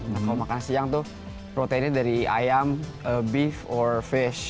nah kalau makan siang tuh proteinnya dari ayam beef or fish